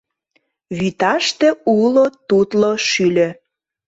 Вӱташте уло тутло шӱльӧ.